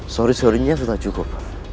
sorry sorynya sudah cukup